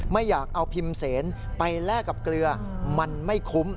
ไม่อยากเอาพิมพ์เสนไปแลกกับเกลือมันไม่คุ้ม